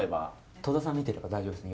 戸田さん見てれば大丈夫ですね